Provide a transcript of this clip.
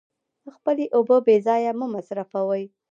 خپلې اوبه بې ځایه مه مصرفوئ.